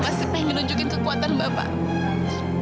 masih pengen nunjukin kekuatan bapak